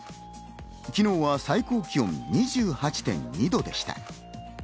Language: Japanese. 昨日は最高気温２８．２度でした。